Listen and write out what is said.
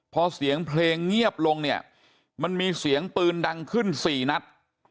พอเสียงเพลงเงียบลงเนี่ยมันมีเสียงปืนดังขึ้น๔นัด